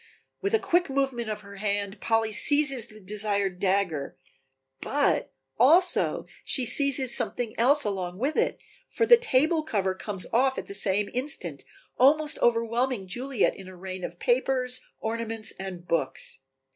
With a quick movement of her hand Polly seizes the desired dagger, but also she seizes something else along with it, for the table cover comes off at the same instant, almost overwhelming Juliet in a rain of papers, ornaments and books.